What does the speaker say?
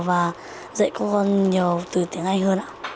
và dạy con nhiều từ tiếng anh hơn ạ